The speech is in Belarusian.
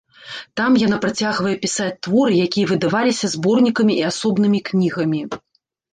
Там яна працягвае пісаць творы, якія выдаваліся зборнікамі і асобнымі кнігамі.